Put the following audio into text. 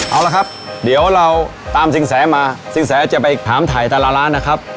เอาละครับเดี๋ยวเราตามสินแสมาสินแสจะไปถามถ่ายแต่ละร้านนะครับ